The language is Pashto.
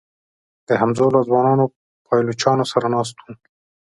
د همزولو او ځوانو پایلوچانو سره ناست و.